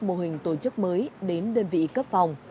mô hình tổ chức mới đến đơn vị cấp phòng